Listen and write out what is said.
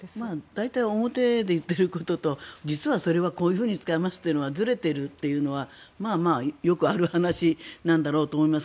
大体表で言っていることと実はそれはこういうふうに使いますというのがずれているというのはまあ、よくある話なんだろうと思います。